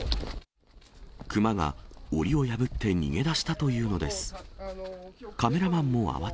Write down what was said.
クマがおりを破って逃げ出したというのです。